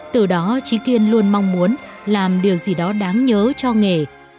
từ đó trí kiên luôn mong muốn làm điều gì đó đáng nhớ cho nghề